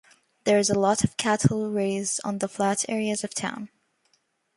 There is a lot of cattle raised on the flat areas of town.